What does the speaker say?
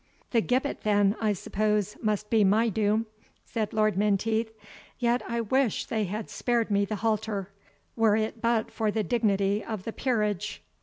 "The gibbet, then, I suppose, must be my doom?" said Lord Menteith. "Yet I wish they had spared me the halter, were it but for the dignity of the peerage."